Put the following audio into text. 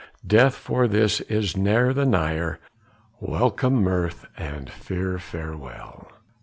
Death for this is ne'er the nigher, Welcome mirth, and fear farewell.